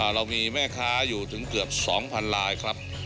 เรามีแม่ค้าอยู่ถึงเกือบ๒๐๐๐ลายครับ